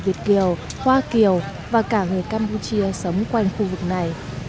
việt kiều hoa kiều và cả người campuchia sống quanh khu vực này